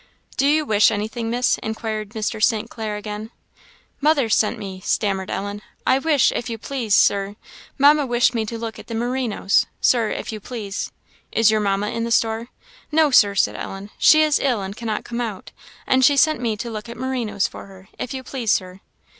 "Do you wish anything, Miss?" inquired Mr. St. Clair again. "Mother sent me," stammered Ellen "I wish, if you please, Sir Mamma wished me to look at the merinoes, Sir, if you please." "Is your Mamma in the store?" "No, Sir," said Ellen, "she is ill, and cannot come out, and she sent me to look at merinoes for her, if you please, Sir."